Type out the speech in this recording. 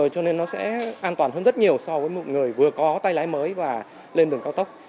cho nên nó sẽ an toàn hơn rất nhiều so với một người vừa có tay lái mới và lên đường cao tốc